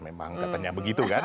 memang katanya begitu kan